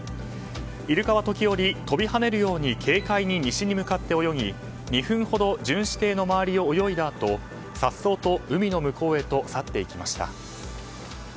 イルカは時折、飛び跳ねるように軽快に西に向かって泳ぎ２分ほど巡視艇の周りを泳いだあと颯爽と海の向こうへと去っていきました。